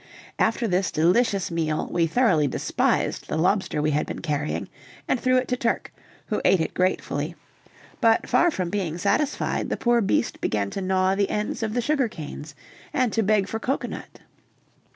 After this delicious meal, we thoroughly despised the lobster we had been carrying, and threw it to Turk, who ate it gratefully; but far from being satisfied, the poor beast began to gnaw the ends of the sugar canes, and to beg for cocoanut.